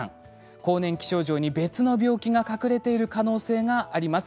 更年期症状に別の病気が隠れている可能性があります。